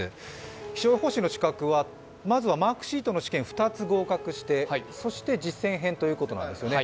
気象予報士の資格はマークシートの試験２つ合格して、そして実践編ということなんですね。